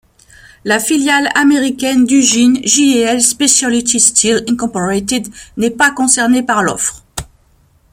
La filiale américaine d'Ugine, J&L Speciality Steel Inc, n'est pas concernée par l'offre.